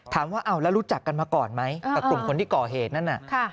ถามว่าเอาแล้วรู้จักกันมาก่อนไหมกับกลุ่มคนที่ก่อเหตุนั่นน่ะ